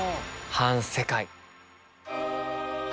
「反世界」。